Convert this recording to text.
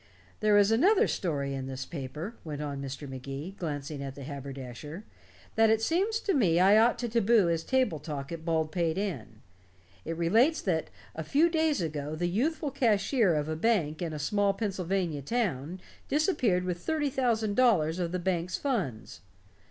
"There is another story in this paper," went on Mr. Magee, glancing at the haberdasher, "that, it seems to me, I ought to taboo as table talk at Baldpate Inn. It relates that a few days ago the youthful cashier of a bank in a small Pennsylvania town disappeared with thirty thousand dollars of the bank's funds.